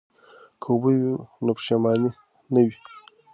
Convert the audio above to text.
که اوبه وي نو پښیماني نه وي.